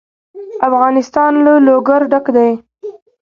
افغانستان له لوگر ډک دی.